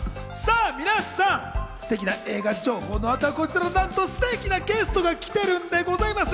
皆さん、すてきな映画情報の後はこちらなんとステキなゲストが来てるんでございます。